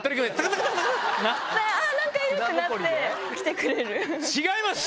あ何かいる！ってなって来てくれる。